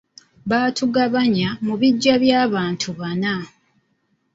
Baatugabanya mu bibinja bya bantu bana.